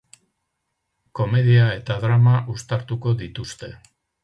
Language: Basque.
Komedia eta drama uztartuko dituzte.